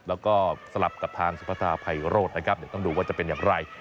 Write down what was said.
แล้วก็สลับกับทางซุภาทาบไพรโรธต้องดูว่าจะเป็นอย่างไร